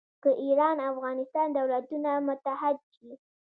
که ایران او افغانستان دولتونه متحد شي.